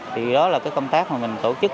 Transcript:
thì đó là cái công tác mà mình tổ chức